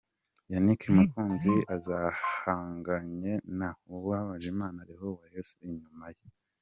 Yannick Mukunzi ahanganye na Uwambajimana Leon wa Rayon inyuma ye.